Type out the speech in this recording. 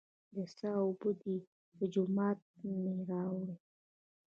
د څاه اوبه دي، له جوماته مې راوړې.